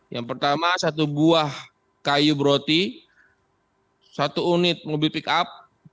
yang pertama satu buah kayu broti satu unit mobil pick up